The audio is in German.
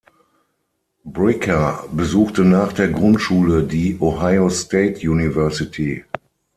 Bricker besuchte nach der Grundschule die Ohio State University.